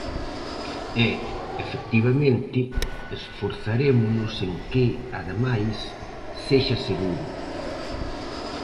E, efectivamente, esforzarémonos en que, ademais, sexa seguro.